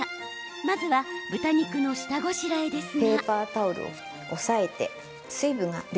まずは豚肉の下ごしらえですが。